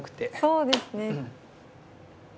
そうですね。